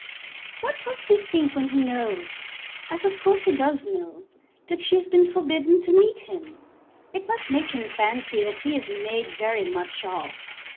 "What must he think when he knows, as of course he does know, that she has been forbidden to meet him? It must make him fancy that he is made very much of.